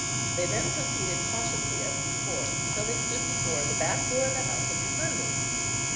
They then proceeded cautiously as before, till they stood before the back door of the house of Jucundus.